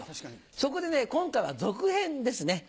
そこでね今回は続編ですね。